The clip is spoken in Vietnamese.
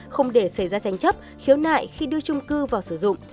không để xảy ra danh chấp khiếu nại khi đưa chung cư vào sử dụng